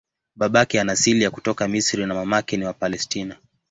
Babake ana asili ya kutoka Misri na mamake ni wa Palestina.